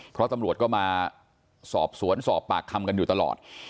เพราะตำรวจก็มาสอบสวนสอบปากคำกันอยู่ตลอด